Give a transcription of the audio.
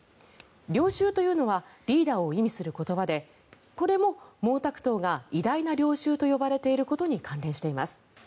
領袖というのはリーダーを意味する言葉でこれも毛沢東が偉大な領袖と呼ばれていることに関連しています。